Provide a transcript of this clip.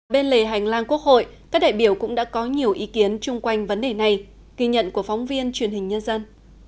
bên lề hành lang quốc hội các đại biểu cũng đã có nhiều ý kiến chung quanh vấn đề này ghi nhận của phóng viên truyền hình nhân dân